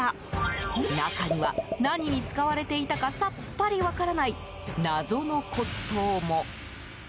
中には、何に使われていたかさっぱり分からない謎の骨董も。